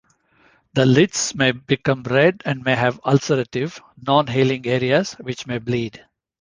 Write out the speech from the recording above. The lids may become red and may have ulcerative, non-healing areas which may bleed.